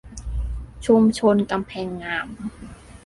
ชุมชนกำแพงงาม